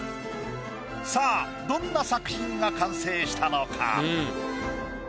さあどんな作品が完成したのか？